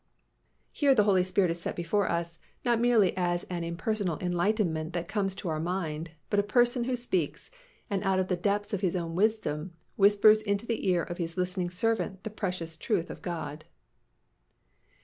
Here the Holy Spirit is set before us, not merely as an impersonal enlightenment that comes to our mind but a Person who speaks and out of the depths of His own wisdom, whispers into the ear of His listening servant the precious truth of God.